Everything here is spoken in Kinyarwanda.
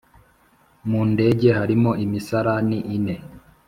Mu ndege harimo imisarani ine